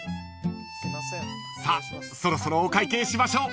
［さあそろそろお会計しましょう］